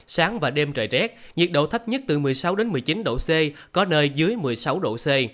sáng và đêm trời rét nhiệt độ thấp nhất từ một mươi sáu đến một mươi chín độ c có nơi dưới một mươi sáu độ c